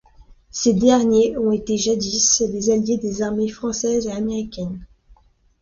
Ces derniers ont été jadis les alliés des armées françaises et américaines.